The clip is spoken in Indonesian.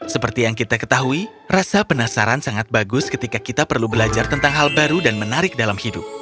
seperti yang kita ketahui rasa penasaran sangat bagus ketika kita perlu belajar tentang hal baru dan menarik dalam hidup